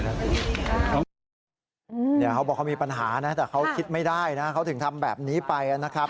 เขาบอกเขามีปัญหานะแต่เขาคิดไม่ได้นะเขาถึงทำแบบนี้ไปนะครับ